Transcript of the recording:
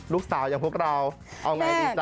ลูกสาวยังพวกเราเอาอย่างไรดีจ้ะ